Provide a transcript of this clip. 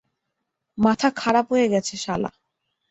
মাথা খারাপ হয়ে গেছে শালা।